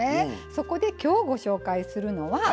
そこできょうご紹介するのは。